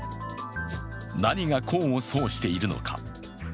何が功を奏しているのか。